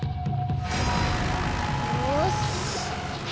よし！